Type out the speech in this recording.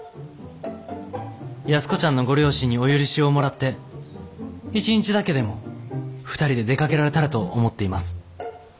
安子ちゃんのご両親にお許しをもらって一日だけでも２人で出かけられたらと思っています。